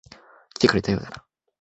来てくれたようだな。